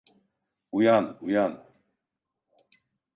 Uyan, uyan!